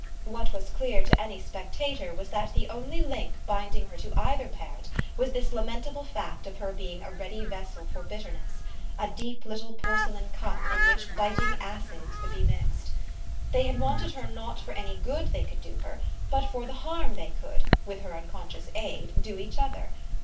What was clear to any spectator was that the only link binding her to either parent was this lamentable fact of her being a ready vessel for bitterness, a deep little porcelain cup in which biting acids could be mixed. They had wanted her not for any good they could do her, but for the harm they could, with her unconscious aid, do each other.